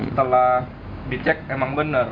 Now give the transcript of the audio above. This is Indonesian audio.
setelah dicek memang benar